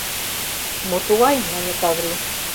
— Мо тугай? — мане Каврий.